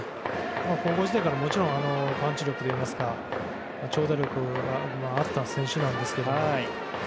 高校時代からもちろんパンチ力といいますか長打力があった選手なんですけど。